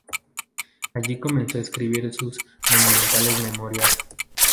Allí comenzó a escribir sus monumentales Memorias.